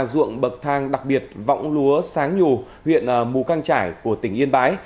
đặc biệt võng lúa sáng nhù huyện mù căng trải của tỉnh yên bái